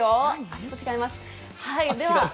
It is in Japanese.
ちょっと違います。